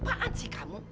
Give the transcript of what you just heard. apa apaan sih kamu